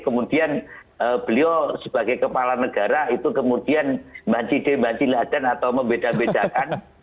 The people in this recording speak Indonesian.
kemudian beliau sebagai kepala negara itu kemudian mancidil manciladan atau membedakan bedakan